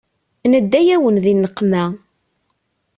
Nedda-yawen di nneqma.